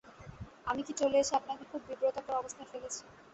আমি কি চলে এসে আপনাকে খুব বিব্রতকর অবস্থায় ফেলেছি।